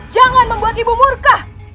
jangan membuat ibu murka